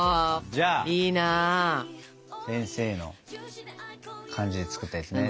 じゃあ先生の感じで作ったやつね。